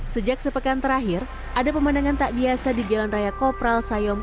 sejak sepekan terakhir ada pemandangan tak biasa di jalan raya kopral sayom